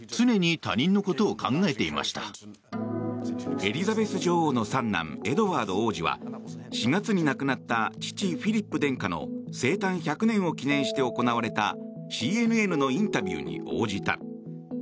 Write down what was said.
エリザベス女王の三男エドワード王子は４月に亡くなった父フィリップ殿下の生誕１００年を記念して行われたＣＮＮのインタビューに応じた。